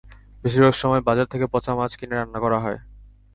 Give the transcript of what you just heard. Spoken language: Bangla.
বেশির ভাগ সময় বাজার থেকে পচা মাছ কিনে রান্না করা হয়।